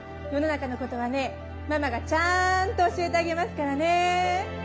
世の中のことはねママがちゃんと教えてあげますからね。